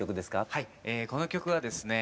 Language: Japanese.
はいこの曲はですね